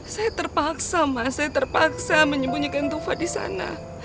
saya terpaksa ma saya terpaksa menyembunyikan tufa disana